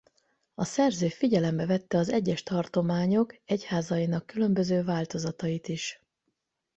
A szerző figyelembe vette az egyes tartományok egyházainak különböző változatait is.